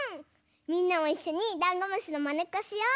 みんなもいっしょにダンゴムシのまねっこしよう！